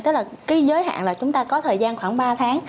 tức là cái giới hạn là chúng ta có thời gian khoảng ba tháng